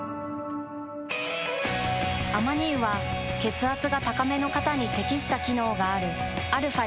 アマニ油は血圧が高めの方に適した機能があるαー